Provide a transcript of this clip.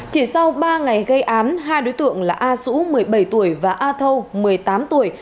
chỉ sau ba ngày gây án hai đối tượng là a sũ một mươi bảy tuổi và a thâu một mươi tám tuổi